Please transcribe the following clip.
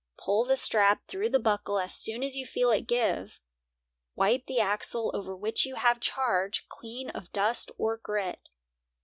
Pull the strap through the buckle as soon as you feel it give. Wipe the axle over which you have charge, clean of dust or grit.